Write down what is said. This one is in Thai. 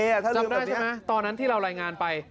จำได้ใช่ไหมตอนนั้นที่เรารายงานไป